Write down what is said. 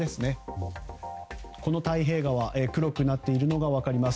この太平川黒くなっているのが分かります。